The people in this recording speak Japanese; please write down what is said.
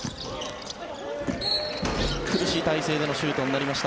苦しい体勢でのシュートになりました。